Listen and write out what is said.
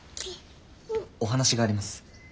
お話があります。